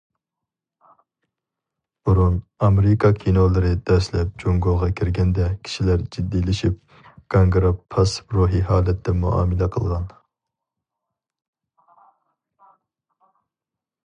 بۇرۇن ئامېرىكا كىنولىرى دەسلەپ جۇڭگوغا كىرگەندە كىشىلەر جىددىيلىشىپ، گاڭگىراپ پاسسىپ روھىي ھالەتتە مۇئامىلە قىلغان.